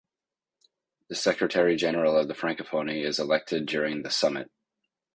The Secretary General of the Francophonie is elected during the Summit.